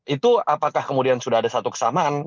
itu apakah kemudian sudah ada satu kesamaan